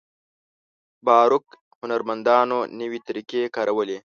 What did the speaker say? باروک هنرمندانو نوې طریقې کارولې.